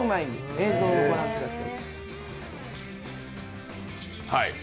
映像御覧ください。